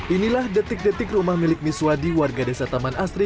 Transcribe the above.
inilah detik detik rumah milik miswadi warga desa taman asri